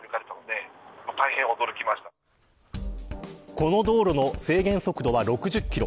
この道路の制限速度は６０キロ。